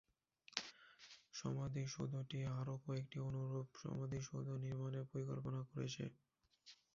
সমাধিসৌধটি আরও কয়েকটি অনুরূপ সমাধিসৌধ নির্মাণের পরিকল্পনা করছে।